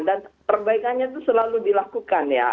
dan perbaikannya itu selalu dilakukan ya